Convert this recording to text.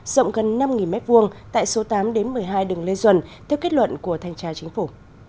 rộng gần năm m hai tại số tám một mươi hai đường lê duẩn theo kết luận của thanh tra chính phủ